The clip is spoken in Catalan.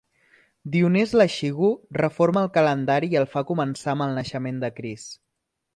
Dionís l'Exigu reforma el calendari i el fa començar amb el naixement de Crist.